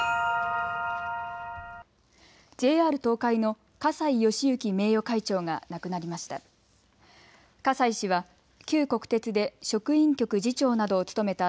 ＪＲ東海の葛西敬之名誉会長が亡くなりました。